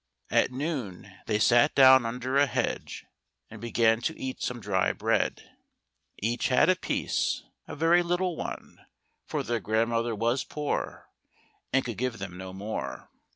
At noon they sat down under a hedge, and began to eat some dry bread. Each had a piece, a very little one, for their grandmother was poor, and could give them no more.